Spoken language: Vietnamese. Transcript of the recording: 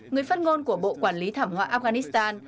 người phát ngôn của bộ quản lý thảm họa afghanistan